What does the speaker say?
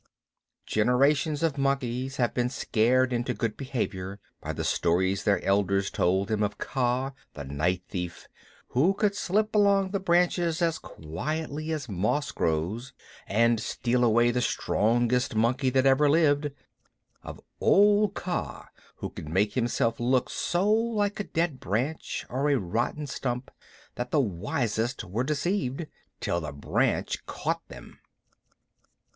Generations of monkeys had been scared into good behavior by the stories their elders told them of Kaa, the night thief, who could slip along the branches as quietly as moss grows, and steal away the strongest monkey that ever lived; of old Kaa, who could make himself look so like a dead branch or a rotten stump that the wisest were deceived, till the branch caught them.